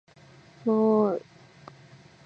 もーう